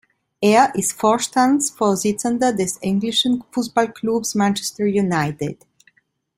Er ist Vorstandsvorsitzender des englischen Fußballklubs Manchester United.